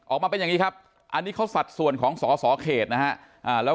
ออกมาเป็นอย่างนี้ครับอันนี้เขาสัดส่วนของสอสอเขตนะฮะแล้ว